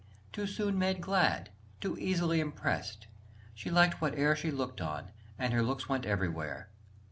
... too soon made glad, Too easily impressed; she liked whate'er She looked on, and her looks went everywhere.